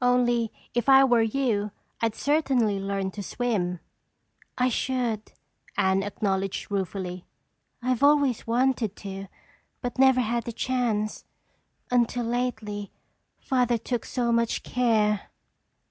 Only if I were you, I'd certainly learn to swim." "I should," Anne acknowledged ruefully. "I've always wanted to but never had the chance. Until lately, Father took so much care."